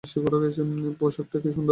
পোশাকটা কী সুন্দর!